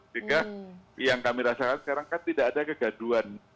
sehingga yang kami rasakan sekarang kan tidak ada kegaduan